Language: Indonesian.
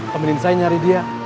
semakin saya nyari dia